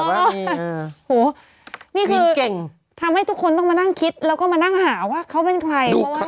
โหวนี่คือทำให้ทุกคนต้องมานั่งคิดแล้วก็มานั่งหาว่าเขาเป็นใคร